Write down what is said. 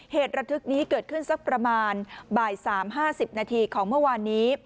เหตุระทึกนี้เกิดขึ้นสักประมาณบ่าย๓๕๐นาทีของเมื่อวานนี้